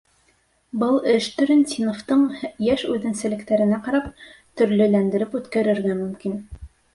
Был эш төрөн, синыфтың йәш үҙенсәлектәренә ҡарап, төрлөләндереп үткәрергә мөмкин.